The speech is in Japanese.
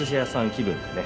気分でね